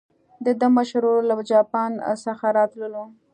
د ده مشر ورور له جاپان څخه راتللو.